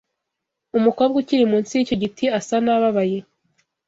Umukobwa ukiri munsi yicyo giti asa nababaye.